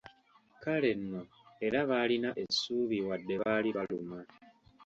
Kale nno era baalina essuubi wadde baali balumwa.